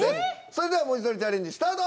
それではもじとりチャレンジスタート。